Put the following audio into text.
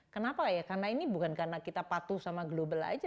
kenapa ya karena ini bukan karena kita patuh sama global aja